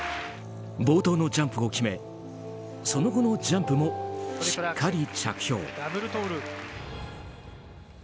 冒頭のジャンプを決めその後のジャンプもしっかり着氷。